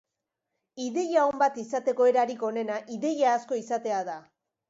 Ideia on bat izateko erarik onena ideia asko izatea da.